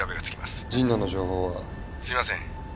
☎すいません。